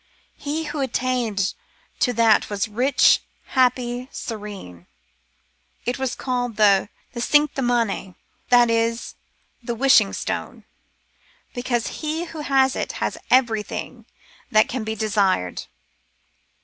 He who attained to that was rich, happy, serene. It is called the " Tschinta mani," that is, the Wishing stone, because he who has it has everything that can be desired.